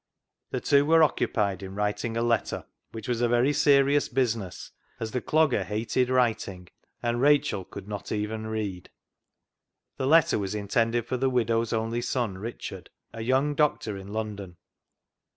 The two were occupied in writing a letter, which was a very serious business, as the 235 236 CLOG SHOP CHRONICLES Clogger hated writing, and Rachel could not even read. The letter was intended for the widow's only son Richard, a young doctor in London.